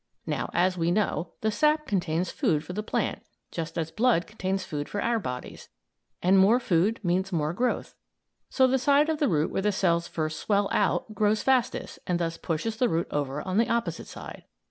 Now, as we know, the sap contains food for the plant, just as blood contains food for our bodies; and more food means more growth. So the side of the root where the cells first swell out grows fastest and thus pushes the root over on the opposite side.